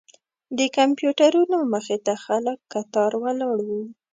د کمپیوټرونو مخې ته خلک کتار ولاړ وو.